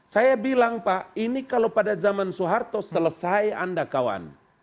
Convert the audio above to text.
saya bilang pak ini kalau pada zaman soeharto selesai anda kawan